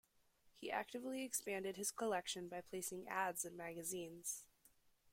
He actively expanded his collection by placing ads in magazines.